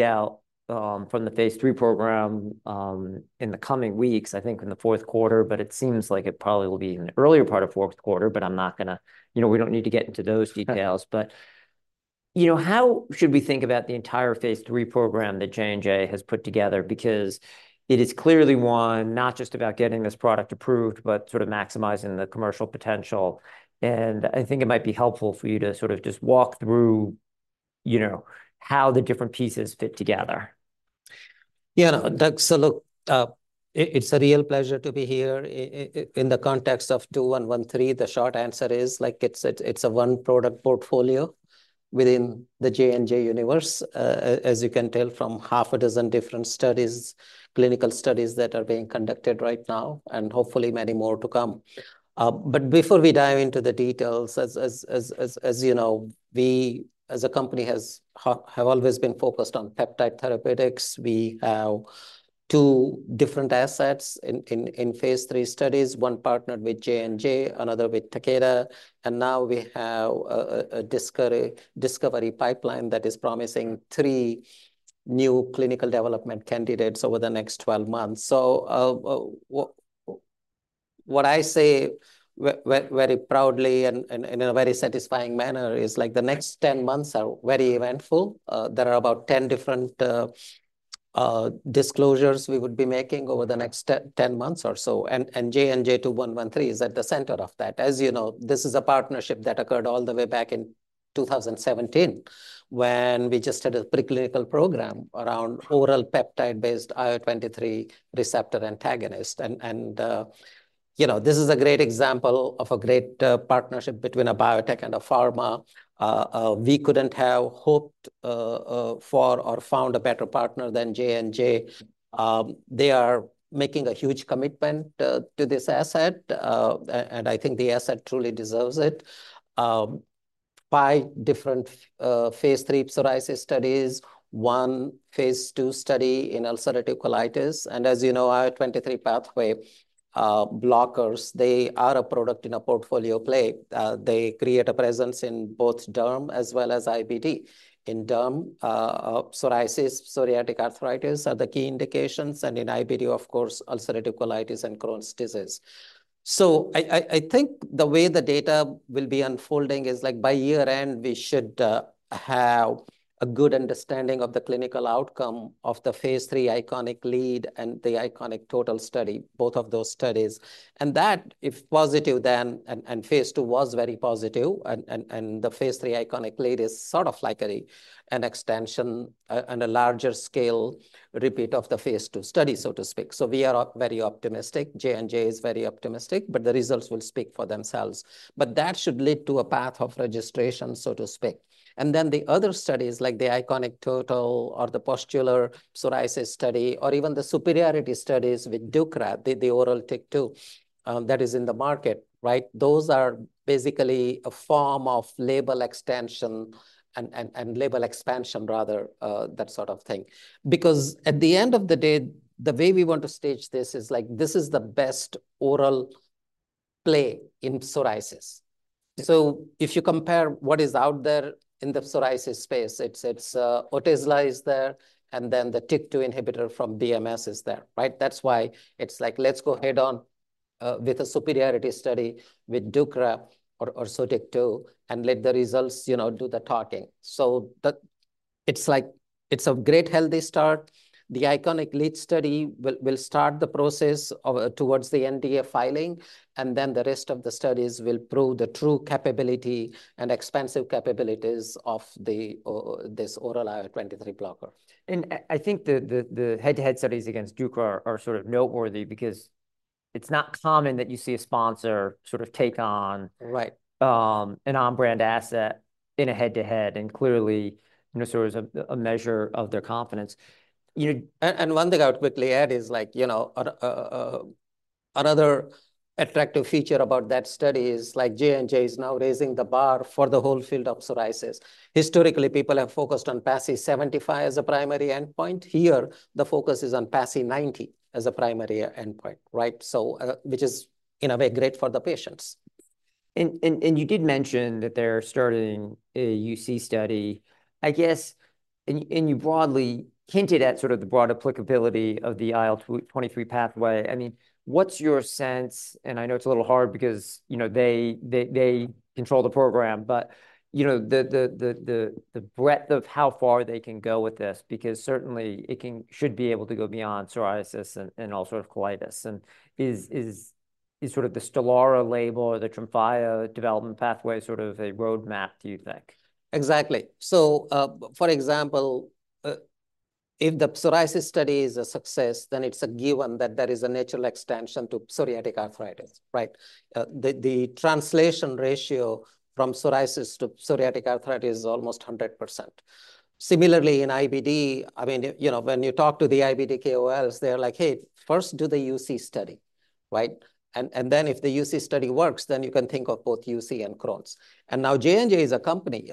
Out, from the phase III program, in the coming weeks, I think in the fourth quarter, but it seems like it probably will be in the earlier part of fourth quarter. But I'm not gonna. You know, we don't need to get into those details. But, you know, how should we think about the entire phase III program that J&J has put together? Because it is clearly one, not just about getting this product approved, but sort of maximizing the commercial potential, and I think it might be helpful for you to sort of just walk through, you know, how the different pieces fit together. Yeah, it's a real pleasure to be here. In the context of 2113, the short answer is, like, it's a one-product portfolio within the J&J universe, as you can tell from half a dozen different studies, clinical studies that are being conducted right now, and hopefully many more to come. But before we dive into the details, as you know, we, as a company, have always been focused on peptide therapeutics. We have two different assets in phase III studies, one partnered with J&J, another with Takeda, and now we have a discovery pipeline that is promising three new clinical development candidates over the next twelve months. So, what I say very proudly and in a very satisfying manner is, like, the next ten months are very eventful. There are about ten different disclosures we would be making over the next ten months or so, and J&J-2113 is at the center of that. As you know, this is a partnership that occurred all the way back in 2017 when we just had a preclinical program around oral peptide-based IL-23 receptor antagonist. You know, this is a great example of a great partnership between a biotech and a pharma. We couldn't have hoped for or found a better partner than J&J. They are making a huge commitment to this asset, and I think the asset truly deserves it. Five different phase III psoriasis studies, one phase II study in ulcerative colitis, and as you know, IL-23 pathway blockers, they are a product in a portfolio play. They create a presence in both derm as well as IBD. In derm, psoriasis, psoriatic arthritis are the key indications, and in IBD, of course, ulcerative colitis and Crohn's disease. So I think the way the data will be unfolding is, like, by year-end, we should have a good understanding of the clinical outcome of the phase III ICONIC-LEAD and the ICONIC-TOTAL study, both of those studies. And that, if positive, then. And phase II was very positive, and the phase III ICONIC-LEAD is sort of like an extension and a larger scale repeat of the phase II study, so to speak. So we are very optimistic. J&J is very optimistic, but the results will speak for themselves. But that should lead to a path of registration, so to speak. And then, the other studies, like the ICONIC-TOTAL or the pustular psoriasis study, or even the superiority studies with Dupixent, the oral TYK2 that is in the market, right? Those are basically a form of label extension and label expansion, rather, that sort of thing. Because at the end of the day, the way we want to stage this is, like, this is the best oral play in psoriasis. So if you compare what is out there in the psoriasis space, it's Otezla is there, and then the TYK2 inhibitor from BMS is there, right? That's why it's like, let's go head-on with a superiority study with Dupixent or Sotyktu, and let the results, you know, do the talking. So it's like it's a great, healthy start. The ICONIC-LEAD study will start the process towards the NDA filing, and then the rest of the studies will prove the true capability and expansive capabilities of this oral IL-23 blocker. And I think the head-to-head studies against Dupixent are sort of noteworthy because it's not common that you see a sponsor sort of take on. Right an on-brand asset in a head-to-head, and clearly, you know, sort of a measure of their confidence. And one thing I would quickly add is, another attractive feature about that study is, like, J&J is now raising the bar for the whole field of psoriasis. Historically, people have focused on PASI 75 as a primary endpoint. Here, the focus is on PASI 90 as a primary endpoint, right? So, which is, in a way, great for the patients. You did mention that they're starting a UC study. I guess. You broadly hinted at sort of the broad applicability of the IL-23 pathway. I mean, what's your sense, and I know it's a little hard because, you know, they control the program, but, you know, the breadth of how far they can go with this, because certainly it can--should be able to go beyond psoriasis and ulcerative colitis. Is sort of the Stelara label or the Tremfya development pathway sort of a roadmap, do you think? Exactly. So, for example, if the psoriasis study is a success, then it's a given that there is a natural extension to psoriatic arthritis, right? The translation ratio from psoriasis to psoriatic arthritis is almost 100%. Similarly, in IBD, I mean, you know, when you talk to the IBD KOLs, they're like: "Hey, first, do the UC study." right? And then if the UC study works, then you can think of both UC and Crohn's. And now J&J is a company,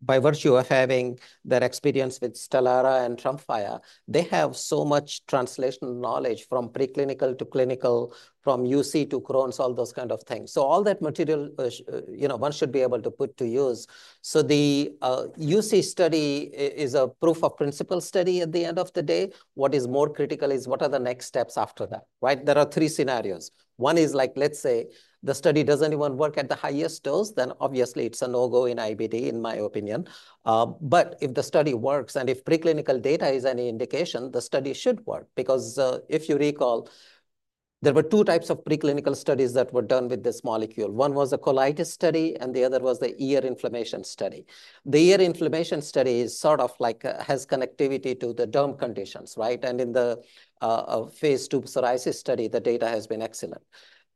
by virtue of having that experience with Stelara and Tremfya, they have so much translational knowledge from preclinical to clinical, from UC to Crohn's, all those kind of things. So all that material, you know, one should be able to put to use. So the UC study is a proof of principle study at the end of the day. What is more critical is what are the next steps after that, right? There are three scenarios. One is, like, let's say, the study doesn't even work at the highest dose, then obviously it's a no-go in IBD, in my opinion. But if the study works, and if preclinical data is any indication, the study should work. Because, if you recall, there were two types of preclinical studies that were done with this molecule. One was a colitis study, and the other was the ear inflammation study. The ear inflammation study is sort of like has connectivity to the derm conditions, right? And in the phase II psoriasis study, the data has been excellent.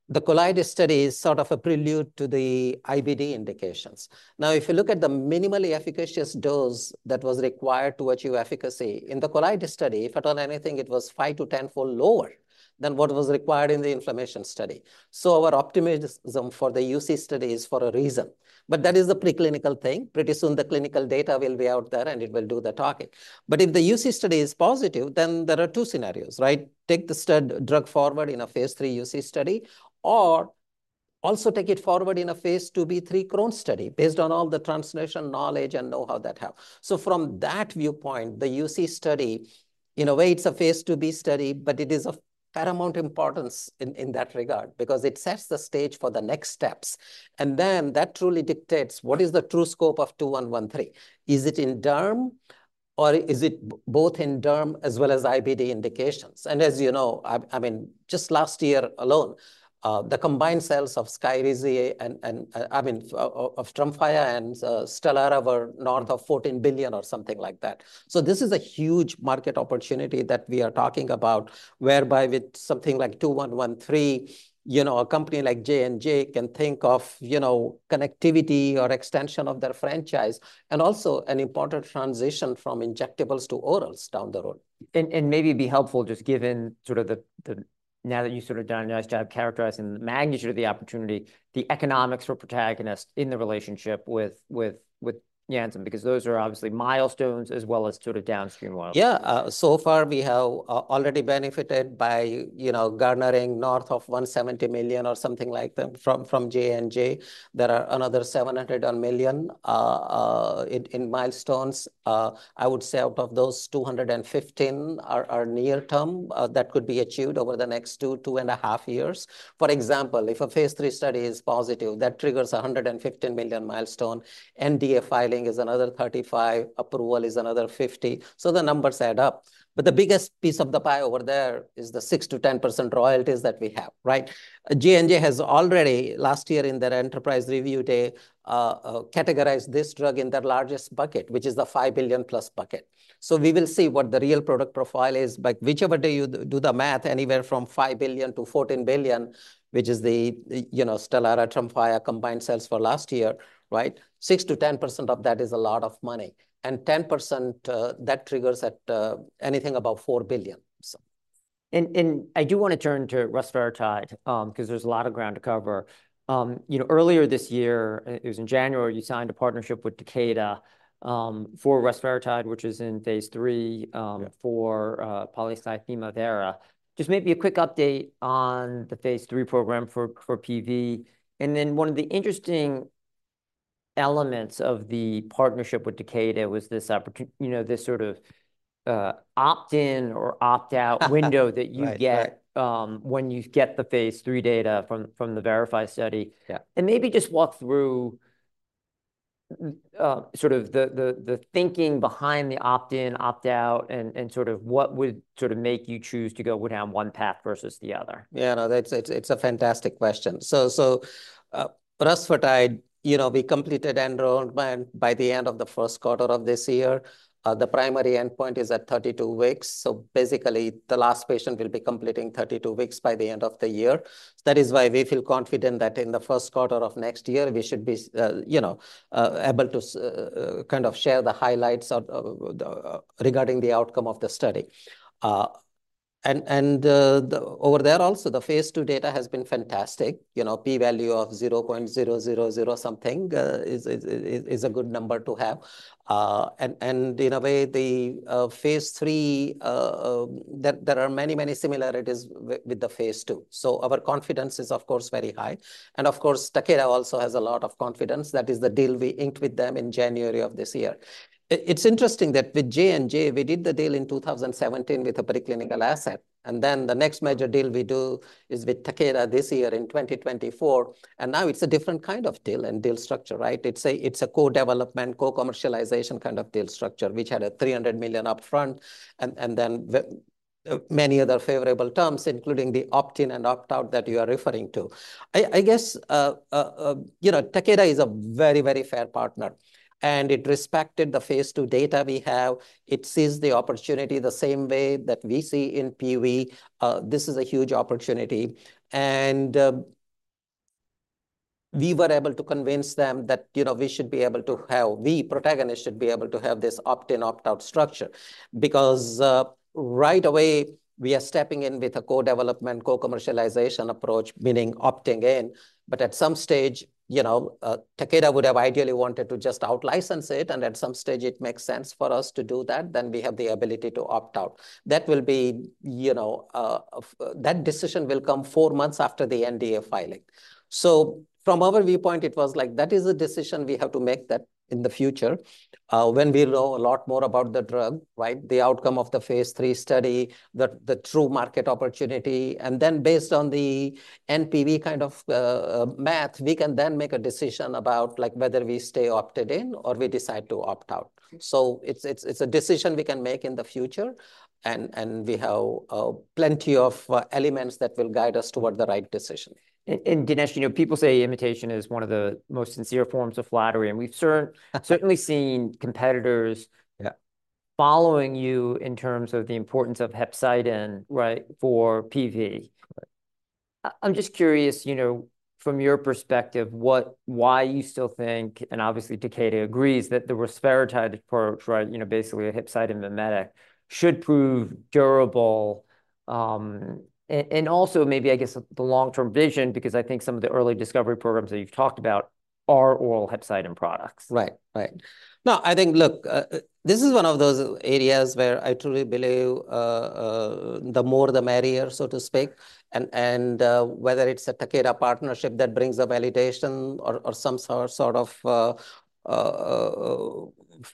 The colitis study is sort of a prelude to the IBD indications. Now, if you look at the minimally efficacious dose that was required to achieve efficacy, in the colitis study, if anything, it was five- to tenfold lower than what was required in the inflammation study. So our optimism for the UC study is for a reason, but that is the preclinical thing. Pretty soon, the clinical data will be out there, and it will do the talking. But if the UC study is positive, then there are two scenarios, right? Take the drug forward in a phase III UC study, or also take it forward in a phase 2b/3 Crohn's study, based on all the translational knowledge and know-how that helps. So from that viewpoint, the UC study, in a way, it is a phase 2b study, but it is of paramount importance in that regard because it sets the stage for the next steps. That truly dictates what is the true scope of 2113. Is it in derm, or is it both in derm as well as IBD indications? And as you know, I mean, just last year alone, the combined sales of Skyrizi and Tremfya and Stelara were north of $14 billion or something like that. So this is a huge market opportunity that we are talking about, whereby with something like 2113, you know, a company like J&J can think of, you know, connectivity or extension of their franchise, and also an important transition from injectables to orals down the road. Maybe it'd be helpful just given sort of the now that you've sort of done a nice job characterizing the magnitude of the opportunity, the economics for Protagonist in the relationship with Janssen, because those are obviously milestones as well as sort of downstream ones. Yeah, so far, we have already benefited by, you know, garnering north of $170 million or something like that from J&J. There are another $700 million in milestones. I would say, out of those, $215 million are near term that could be achieved over the next two to two and a half years. For example, if a phase III study is positive, that triggers a $115 million milestone. NDA filing is another $35 million, approval is another $50 million, so the numbers add up. But the biggest piece of the pie over there is the 6% to 10% royalties that we have, right? J&J has already, last year in their enterprise review day, categorized this drug in their largest bucket, which is the $5 billion-plus bucket. So we will see what the real product profile is, but whichever way you do the math, anywhere from $5 billion to $14 billion, which is the, you know, Stelara, Tremfya combined sales for last year, right? Six to 10% of that is a lot of money, and 10%, that triggers at, anything above $4 billion, so. I do want to turn to rusfertide, because there's a lot of ground to cover. You know, earlier this year, it was in January, you signed a partnership with Takeda for rusfertide, which is in phase III for polycythemia vera. Just maybe a quick update on the phase III program for PV. And then, one of the interesting elements of the partnership with Takeda was, you know, this sort of opt-in or opt-out window that you get- Right, right when you get the phase III data from the VERIFY study. Yeah. And maybe just walk through, sort of the thinking behind the opt-in, opt-out, and sort of what would sort of make you choose to go down one path versus the other. Yeah, no, that's it. It's a fantastic question, so rusfertide, you know, we completed enrollment by the end of the first quarter of this year. The primary endpoint is at 32 weeks, so basically, the last patient will be completing 32 weeks by the end of the year. That is why we feel confident that in the first quarter of next year, we should be, you know, able to kind of share the highlights regarding the outcome of the study. And over there also, the phase II data has been fantastic. You know, P value of zero point zero zero zero something is a good number to have. and in a way, the phase III, there are many similarities with the phase II, so our confidence is, of course, very high. Of course, Takeda also has a lot of confidence. That is the deal we inked with them in January of this year. It's interesting that with J&J, we did the deal in 2017 with a preclinical asset, and then the next major deal we do is with Takeda this year in 2024, and now it's a different kind of deal and deal structure, right? It's a co-development, co-commercialization kind of deal structure, which had a $300 million upfront, and then the many other favorable terms, including the opt-in and opt-out that you are referring to. I guess, you know, Takeda is a very, very fair partner, and it respected the phase II data we have. It sees the opportunity the same way that we see in PV. This is a huge opportunity, and we were able to convince them that, you know, we, Protagonist, should be able to have this opt-in, opt-out structure. Because right away, we are stepping in with a co-development, co-commercialization approach, meaning opting in. But at some stage, you know, Takeda would have ideally wanted to just out-license it, and at some stage it makes sense for us to do that, then we have the ability to opt out. That will be, you know, that decision will come four months after the NDA filing. So from our viewpoint, it was like, that is a decision we have to make that in the future, when we know a lot more about the drug, right? The outcome of the phase III study, the true market opportunity, and then based on the NPV kind of, math, we can then make a decision about, like, whether we stay opted in or we decide to opt out. So it's a decision we can make in the future, and we have plenty of elements that will guide us toward the right decision. Dinesh, you know, people say imitation is one of the most sincere forms of flattery, and we've certainly seen competitors. Yeah following you in terms of the importance of hepcidin, right, for PV. I'm just curious, you know, from your perspective, why you still think, and obviously Takeda agrees, that the rusfertide approach, right, you know, basically a hepcidin mimetic, should prove durable. Also maybe, I guess, the long-term vision, because I think some of the early discovery programs that you've talked about are oral hepcidin products. Right. Right. No, I think, look, this is one of those areas where I truly believe, the more, the merrier, so to speak. And whether it's a Takeda partnership that brings a validation or some sort of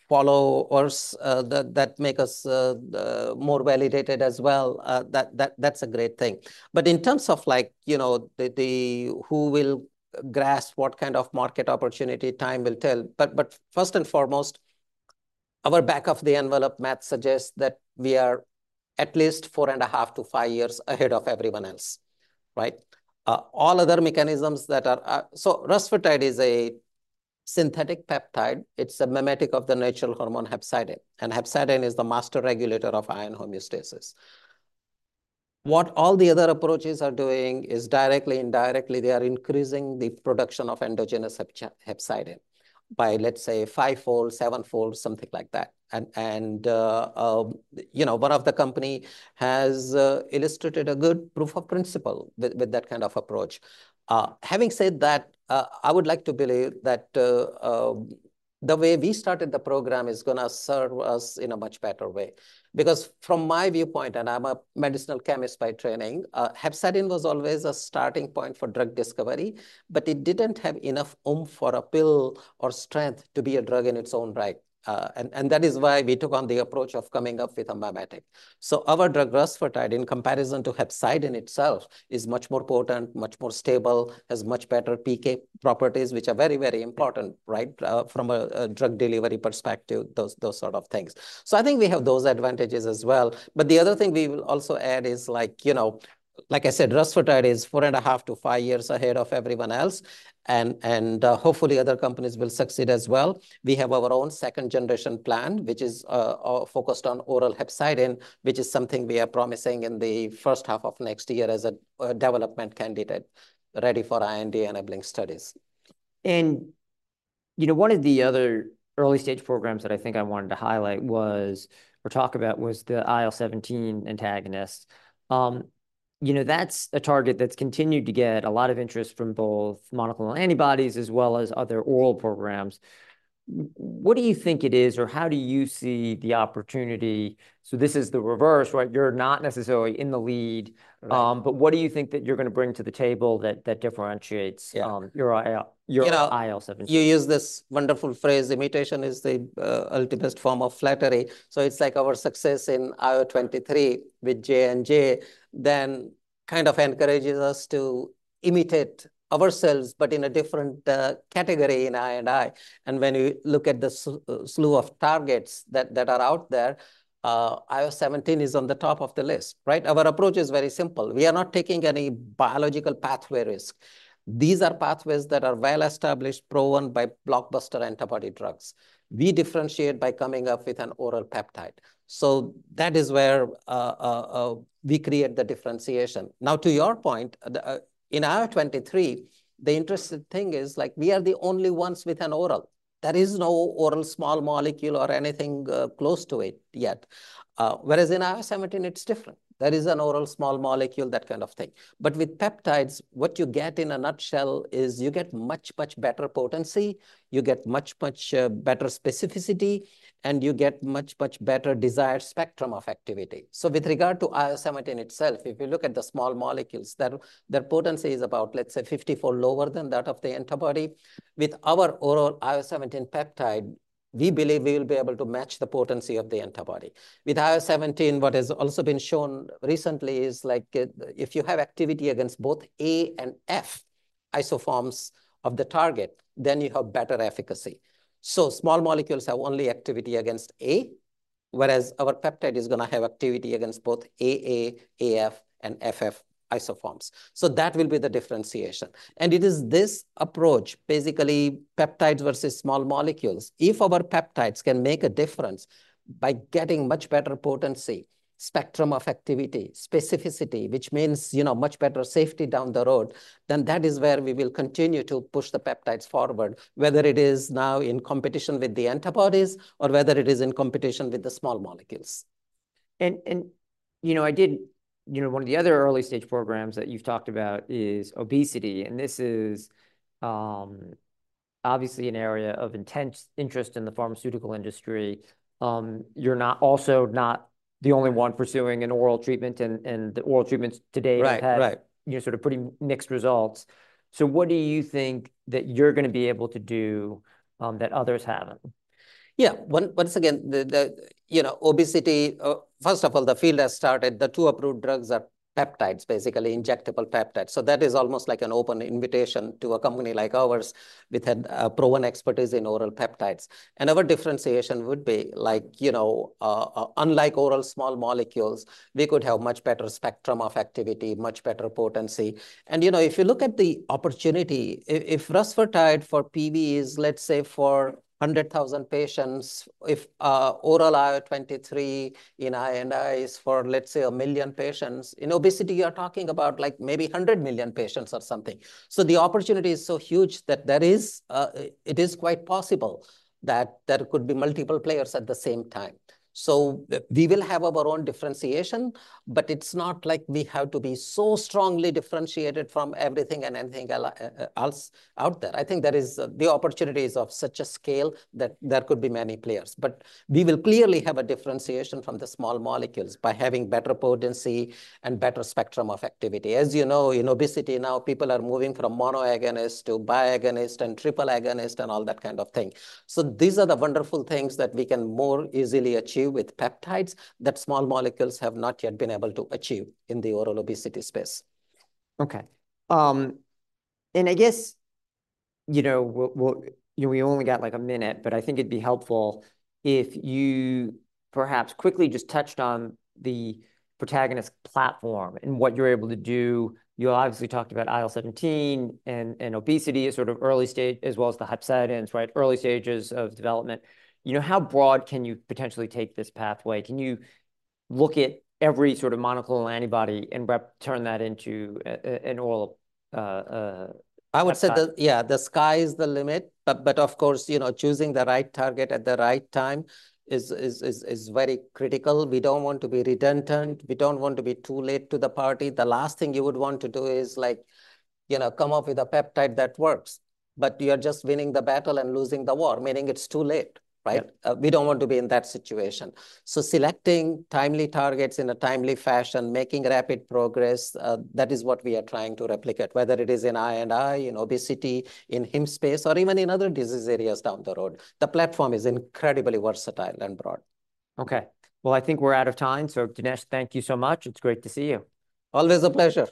followers that make us more validated as well, that's a great thing. But in terms of like, you know, the who will grasp what kind of market opportunity, time will tell. But first and foremost, our back-of-the-envelope math suggests that we are at least four and a half to five years ahead of everyone else, right? All other mechanisms that are. So rusfertide is a synthetic peptide. It's a mimetic of the natural hormone, hepcidin, and hepcidin is the master regulator of iron homeostasis. What all the other approaches are doing is directly, indirectly, they are increasing the production of endogenous hepcidin by, let's say, fivefold, sevenfold, something like that. You know, one of the company has illustrated a good proof of principle with that kind of approach. Having said that, I would like to believe that the way we started the program is gonna serve us in a much better way. Because from my viewpoint, and I'm a medicinal chemist by training, hepcidin was always a starting point for drug discovery, but it didn't have enough oomph for a pill or strength to be a drug in its own right. That is why we took on the approach of coming up with a mimetic. So our drug, rusfertide, in comparison to hepcidin itself, is much more potent, much more stable, has much better PK properties, which are very, very important, right, from a drug delivery perspective, those sort of things. So I think we have those advantages as well. But the other thing we will also add is, like, you know, like I said, rusfertide is four and a half to five years ahead of everyone else, and, hopefully other companies will succeed as well. We have our own second-generation plan, which is focused on oral hepcidin, which is something we are promising in the first half of next year as a development candidate ready for IND-enabling studies. And, You know, one of the other early-stage programs that I think I wanted to highlight was, or talk about, was the IL-17 antagonist. You know, that's a target that's continued to get a lot of interest from both monoclonal antibodies as well as other oral programs. What do you think it is, or how do you see the opportunity? So this is the reverse, right? You're not necessarily in the lead. but what do you think that you're gonna bring to the table that differentiates? You know, Your IL-17? You use this wonderful phrase: imitation is the ultimate form of flattery. So it's like our success in J&J-2113 with J&J then kind of encourages us to imitate ourselves, but in a different category in I&I. And when we look at the slew of targets that are out there, IL-17 is on the top of the list, right? Our approach is very simple. We are not taking any biological pathway risk. These are pathways that are well established, proven by blockbuster antibody drugs. We differentiate by coming up with an oral peptide. So that is where we create the differentiation. Now, to your point, in IL-23, the interesting thing is, like, we are the only ones with an oral. There is no oral small molecule or anything close to it yet. Whereas in IL-17, it's different. There is an oral small molecule, that kind of thing. But with peptides, what you get, in a nutshell, is you get much, much better potency, you get much, much better specificity, and you get much, much better desired spectrum of activity. So with regard to IL-17 itself, if you look at the small molecules, their potency is about, let's say, fifty-four lower than that of the antibody. With our oral IL-17 peptide, we believe we will be able to match the potency of the antibody. With IL-17, what has also been shown recently is, like, if you have activity against both A and F isoforms of the target, then you have better efficacy. So small molecules have only activity against A, whereas our peptide is gonna have activity against both AA, AF, and FF isoforms. So that will be the differentiation. It is this approach, basically peptides versus small molecules, if our peptides can make a difference by getting much better potency, spectrum of activity, specificity, which means, you know, much better safety down the road, then that is where we will continue to push the peptides forward, whether it is now in competition with the antibodies or whether it is in competition with the small molecules. You know, one of the other early-stage programs that you've talked about is obesity, and this is obviously an area of intense interest in the pharmaceutical industry. You're not also not the only one pursuing an oral treatment, and the oral treatments to date have. Right, right. You know, sort of pretty mixed results. So what do you think that you're going to be able to do that others haven't? Yeah. Once again, you know, first of all, the obesity field has started. The two approved drugs are peptides, basically injectable peptides, so that is almost like an open invitation to a company like ours with a proven expertise in oral peptides. And our differentiation would be, like, you know, unlike oral small molecules, we could have much better spectrum of activity, much better potency. And, you know, if you look at the opportunity, if rusfertide for PV is, let's say, for 100,000 patients, if oral IL-23 in I&I is for, let's say, million patients, in obesity, you are talking about, like, maybe 100 million patients or something. So the opportunity is so huge that there is, it is quite possible that there could be multiple players at the same time. So we will have our own differentiation, but it's not like we have to be so strongly differentiated from everything and anything else out there. I think there is the opportunity of such a scale that there could be many players. But we will clearly have a differentiation from the small molecules by having better potency and better spectrum of activity. As you know, in obesity now, people are moving from monoagonist to biagonist and triple agonist and all that kind of thing, so these are the wonderful things that we can more easily achieve with peptides, that small molecules have not yet been able to achieve in the oral obesity space. Okay, and I guess, you know, we only got, like, a minute, but I think it'd be helpful if you perhaps quickly just touched on the Protagonist platform and what you're able to do. You obviously talked about IL-17 and obesity as sort of early stage, as well as the hepcidins, right? Early stages of development. You know, how broad can you potentially take this pathway? Can you look at every sort of monoclonal antibody and turn that into an oral peptide? I would say, yeah, the sky is the limit, but of course, you know, choosing the right target at the right time is very critical. We don't want to be redundant. We don't want to be too late to the party. The last thing you would want to do is, like, you know, come up with a peptide that works, but you are just winning the battle and losing the war, meaning it's too late, right? We don't want to be in that situation. So selecting timely targets in a timely fashion, making rapid progress, that is what we are trying to replicate, whether it is in I and I, in obesity, in Heme space, or even in other disease areas down the road. The platform is incredibly versatile and broad. Okay. Well, I think we're out of time. So, Dinesh, thank you so much. It's great to see you. Always a pleasure.